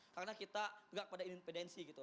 karena kita bergerak pada independensi gitu